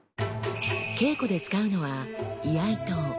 稽古で使うのは居合刀。